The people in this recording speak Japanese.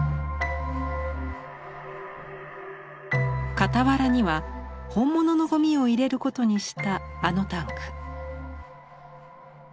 傍らには本物のゴミを入れることにしたあのタンク。